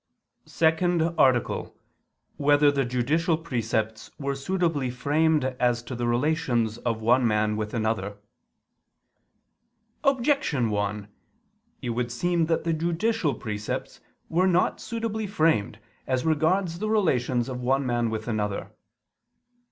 ________________________ SECOND ARTICLE [I II, Q. 105, Art. 2] Whether the Judicial Precepts Were Suitably Framed As to the Relations of One Man with Another? Objection 1: It would seem that the judicial precepts were not suitably framed as regards the relations of one man with another.